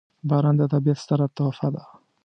• باران د طبیعت ستره تحفه ده.